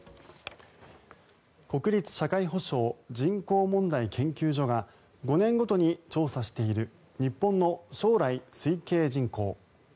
国立社会保障・人口問題研究所が５年ごとに調査している日本の将来推計人口。